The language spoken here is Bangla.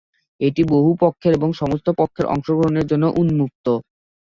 এটি বহু পক্ষের এবং সমস্ত পক্ষের অংশগ্রহণের জন্য উন্মুক্ত।